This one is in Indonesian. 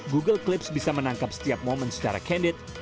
google clips bisa menangkap setiap momen secara candid